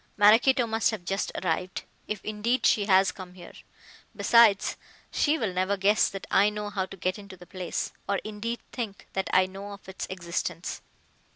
Maraquito must have just arrived, if indeed she has come here. Besides, she will never guess that I know how to get into the place, or indeed think that I know of its existence."